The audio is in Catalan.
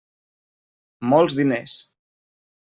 Molts diners.